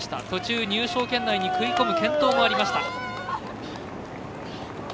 途中、入賞圏内に食い込む健闘もありました。